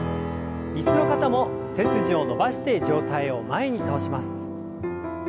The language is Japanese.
椅子の方も背筋を伸ばして上体を前に倒します。